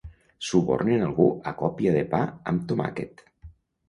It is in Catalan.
Subornen algú a còpia de pa amb toma`quet.